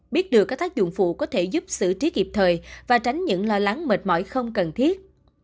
biết được các tác dụng phụ có thể giúp xử trí kịp thời và tránh những lo lắng mệt mỏi không cần thiết